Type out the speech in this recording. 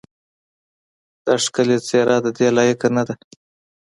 دا ښکلې څېره ددې لایقه نه ده.